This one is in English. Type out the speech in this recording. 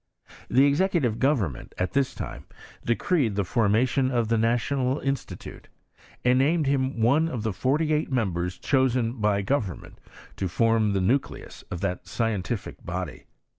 Ihe executive govern ment, at this time, decreed the for«iation of the National Institute, and named him one of the forty eight members chosen by government to form the nucleus of that scientific body.